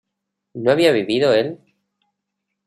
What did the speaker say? ¿no había vivido él?